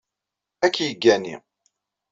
Ad k-yeggani.